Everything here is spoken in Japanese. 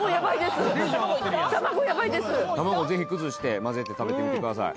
卵ぜひ崩して混ぜて食べてみてください